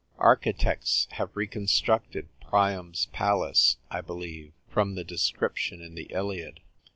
Architects have re constructed Priam's palace, I believe, from the description in the Iliad.